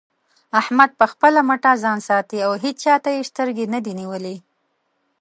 احمد په خپله مټه ځان ساتي او هيچا ته يې سترګې نه دې نيولې.